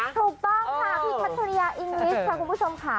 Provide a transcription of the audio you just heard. ถูกต้องค่ะพี่พัทริยาอิงลิสค่ะคุณผู้ชมค่ะ